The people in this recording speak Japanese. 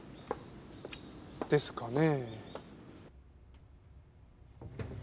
ですかね？